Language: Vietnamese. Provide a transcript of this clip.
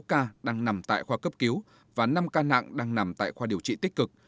một ca đang nằm tại khoa cấp cứu và năm ca nặng đang nằm tại khoa điều trị tích cực